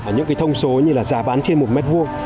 những cái thông số như là giá bán trên một mét vuông